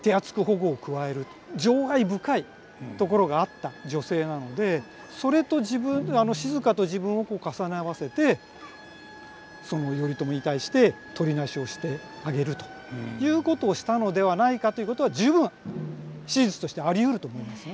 情愛深いところがあった女性なのでそれと自分静と自分を重ね合わせて頼朝に対してとりなしをしてあげるということをしたのではないかということは十分史実としてありうると思いますね。